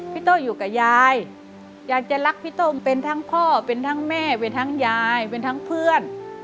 โต้อยู่กับยายอยากจะรักพี่โต้งเป็นทั้งพ่อเป็นทั้งแม่เป็นทั้งยายเป็นทั้งเพื่อน